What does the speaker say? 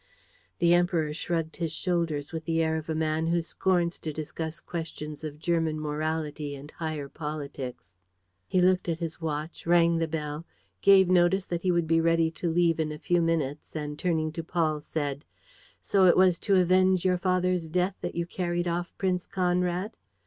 The Emperor shrugged his shoulders, with the air of a man who scorns to discuss questions of German morality and higher politics. He looked at his watch, rang the bell, gave notice that he would be ready to leave in a few minutes and, turning to Paul, said: "So it was to avenge your father's death that you carried off Prince Conrad?"